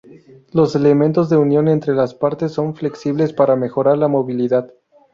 Los elementos de unión entre las partes son flexibles para mejorar la movilidad.